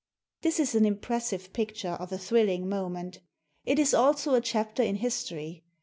This is an im pressive picture of a thrilling moment; it is also a chap ter in history.